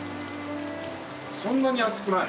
そんなに熱くない。